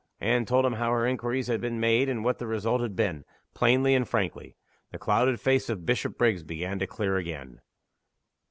Anne told him how her inquiries had been made and what the result had been, plainly and frankly. The clouded face of Bishopriggs began to clear again.